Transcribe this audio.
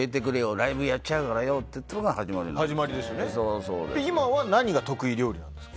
ライブやっちゃうからって言ったのが始まりなんですよ。